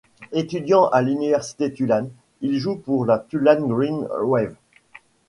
Étudiant à l'Université Tulane, il joue pour la Tulane Green Wave.